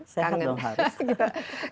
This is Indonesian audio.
sehat dong harus